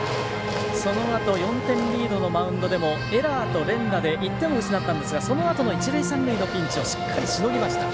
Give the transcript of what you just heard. そのあと４点リードのマウンドでもエラーと連打で１点を失ったんですがそのあとの一塁、三塁のピンチをしっかりしのぎました。